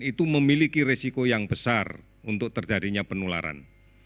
itu memiliki resiko yang besar untuk terjadinya penularan